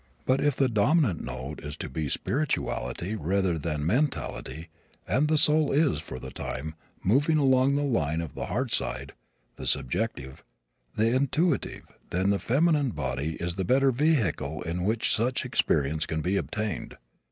But if the dominant note is to be spirituality, rather than mentality and the soul is, for the time, moving along the line of the heart side the subjective, the intuitive then the feminine body is the better vehicle in which such experience can be obtained.